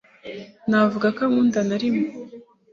Ntavuga ko ankunda na rimwe